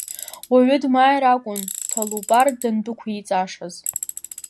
Уаҩы дмааир акәын Ҭалупар дандәықәиҵашаз.